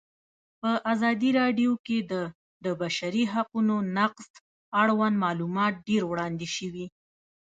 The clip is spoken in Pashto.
په ازادي راډیو کې د د بشري حقونو نقض اړوند معلومات ډېر وړاندې شوي.